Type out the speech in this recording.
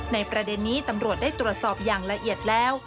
ในประเด็นนี้ตำรวจได้ตรวจสอบอย่างละเอียดแล้ว